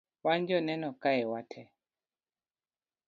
wan joneno kae wate